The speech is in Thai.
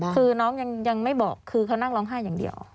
คือน้องยังไม่บอกคือเขานั่งร้องไห้อย่างเดียว